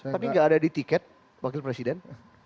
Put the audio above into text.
tapi nggak ada di tiket wakil presiden